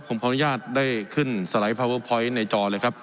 ผมขออนุญาตได้ขึ้นสไลด์พาเวอร์พอยต์ในจอเลยครับ